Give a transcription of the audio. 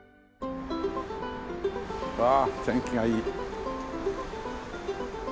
わあ天気がいい。